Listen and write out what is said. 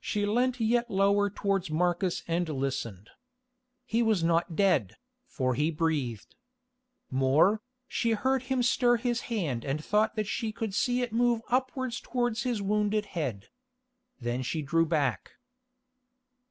She leant yet lower towards Marcus and listened. He was not dead, for he breathed. More, she heard him stir his hand and thought that she could see it move upwards towards his wounded head. Then she drew back.